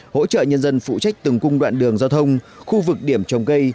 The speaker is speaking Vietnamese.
hỗ trợ nhân dân phụ trách từng cung đoạn đường giao thông khu vực điểm trồng cây